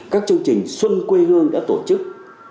các chương trình xuân quê hương đã tổ chức